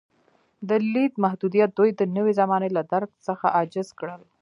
د لید محدودیت دوی د نوې زمانې له درک څخه عاجز کړل.